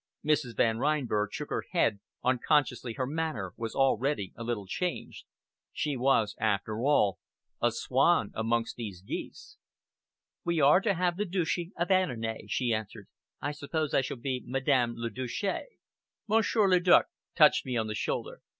Mrs. Van Reinberg shook her head, unconsciously her manner was already a little changed. She was, after all, a swan amongst these geese! "We are to have the Duchy of Annonay," she answered. "I suppose I shall be Madame la Duchesse." Monsieur le Duc touched me on the shoulder.